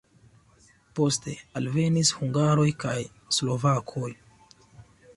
Poste alvenis hungaroj kaj slovakoj.